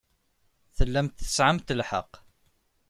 Tellamt tesɛamt lḥeqq.